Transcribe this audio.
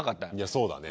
そうだね。